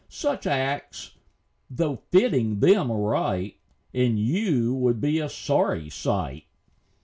Such acts, though fitting them aright, In you would be a sorry sight.